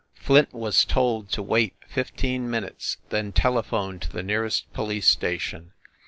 Flint was told to wait fifteen minutes, then tele phone to the nearest police station.